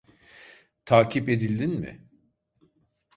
Takip edildin mi?